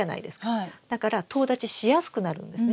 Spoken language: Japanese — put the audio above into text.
だからとう立ちしやすくなるんですね。